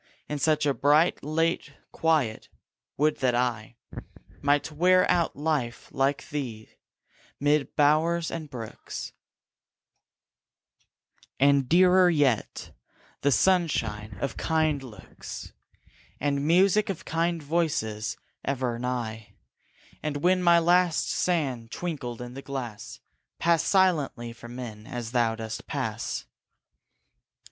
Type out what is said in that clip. In such a bright, late quiet, would that I Might wear out life like thee, mid bowers and brooks, And, dearer yet, the sunshine of kind looks, And music of kind voices ever nigh; And when my last sand twinkled in the glass, Pass silently from men, as thou dost pass.